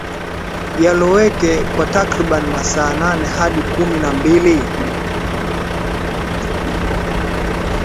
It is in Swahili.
Yaloweke kwa takriban masaa nane hadi kumi na mbili